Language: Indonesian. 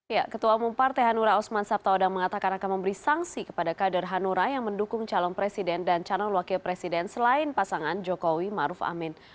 ya ketua umum partai hanura osman sabtaodang mengatakan akan memberi sanksi kepada kader hanura yang mendukung calon presiden dan calon wakil presiden selain pasangan jokowi maruf amin